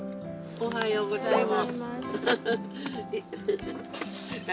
おはようございます。